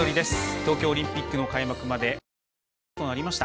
東京オリンピックの開幕までおよそ１か月となりました。